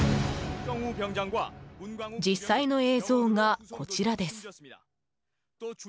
実際の映像がこちらです。